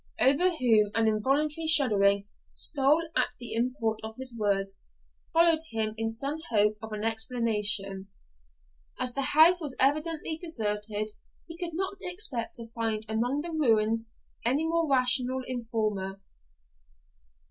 Edward, over whom an involuntary shuddering stole at the import of his words, followed him in some hope of an explanation. As the house was evidently deserted, he could not expect to find among the ruins any more rational informer.